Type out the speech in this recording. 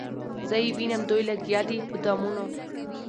زه یې وینم دوی لګیا دي په دامونو